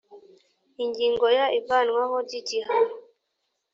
ingingo ya ivanwaho ry igihano